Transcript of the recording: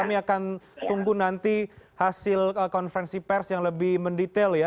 kami akan tunggu nanti hasil konferensi pers yang lebih mendetail ya